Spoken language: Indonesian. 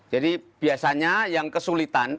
jadi biasanya yang kesulitan